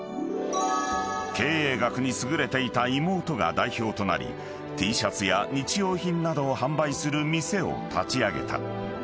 ［経営学に優れていた妹が代表となりＴシャツや日用品などを販売する店を立ち上げた］